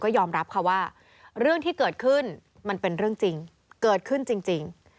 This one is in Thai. ยอมรับค่ะว่าเรื่องที่เกิดขึ้นมันเป็นเรื่องจริงเกิดขึ้นจริง